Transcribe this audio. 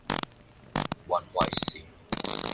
揾位閃